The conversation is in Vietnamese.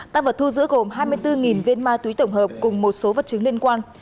tăng vật thu giữ gồm hai mươi bốn viên ma túy tổng hợp cùng một số vật chứng liên quan